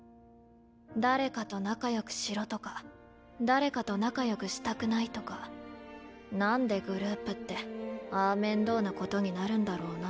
誰かと仲良くしろとか誰かと仲良くしたくないとかなんでグループってああ面倒なことになるんだろうな。